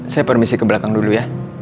saya permisi ke belakang dulu ya